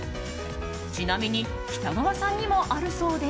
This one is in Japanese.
ちなみに、北川さんにもあるそうで。